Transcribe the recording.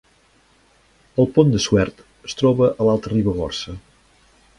El Pont de Suert es troba a l’Alta Ribagorça